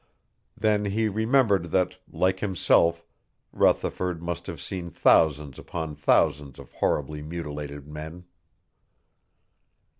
Then he remembered that, like himself, Rutherford must have seen thousands upon thousands of horribly mutilated men.